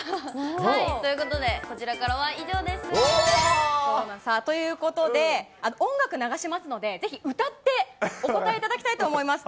ということで、こちらからはということで、音楽流しますので、ぜひ歌ってお答えいただきたいと思います。